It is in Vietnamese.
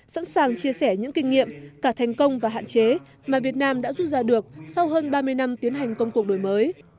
sẵn sàng chia sẻ những kinh nghiệm cả thành công và hạn chế mà việt nam đã rút ra được sau hơn ba mươi năm tiến hành công cuộc đổi mới